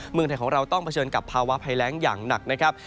เมืองไทยของเราต้องเผชิญกับภาวะภัยแรงอย่างหนักนะครับ